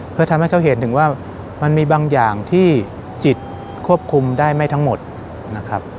เพื่อทำให้เขาเห็นถึงว่ามันมีบางอย่างที่จิตควบคุมได้ไม่ทั้งหมดนะครับ